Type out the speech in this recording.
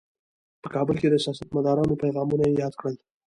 په کابل کې د سیاستمدارانو پیغامونه یې یاد کړل.